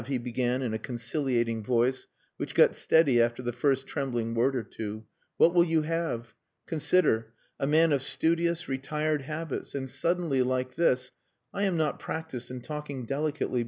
he began in a conciliating voice which got steady after the first trembling word or two. "What will you have? Consider a man of studious, retired habits and suddenly like this.... I am not practised in talking delicately.